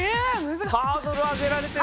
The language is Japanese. ハードル上げられてる！